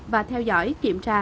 và theo dõi kiểm tra